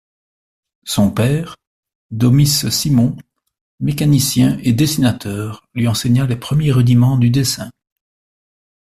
Son père, Domice Simon, mécanicien et dessinateur, lui enseigna les premiers rudiments du dessin.